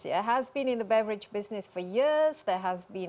ini telah berlalu di bisnis beberan selama bertahun tahun